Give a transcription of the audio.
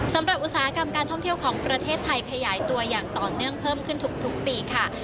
อุตสาหกรรมการท่องเที่ยวของประเทศไทยขยายตัวอย่างต่อเนื่องเพิ่มขึ้นทุกปีค่ะ